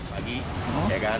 pagi ya kan